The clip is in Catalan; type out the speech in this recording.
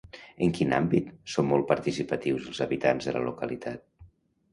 En quin àmbit són molt participatius els habitants de la localitat?